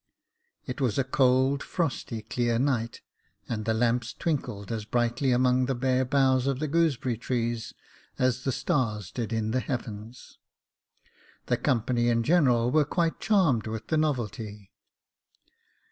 It was a cold, frosty, clear night, and the lamps twinkled as brightly among the bare boughs of the gooseberry trees as the stars did in the heavens. The company in general were quite charmed with the novelty.